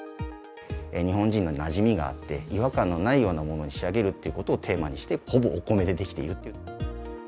日本人のなじみがあって、違和感のないようなものに仕上げるっていうことをテーマにして、ほぼお米で出来ている。